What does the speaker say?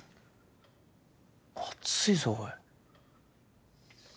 熱いぞおい。